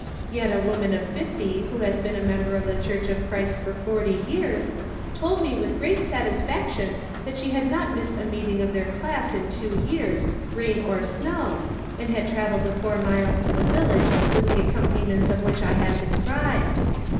yet a woman of fifty who has been a member of the Church of Christ for forty years, told me with great satisfac tion that she had not missed a meeting of their class in two years, rain or snow, and had travelled the four miles to the village with the accompani ments which I have described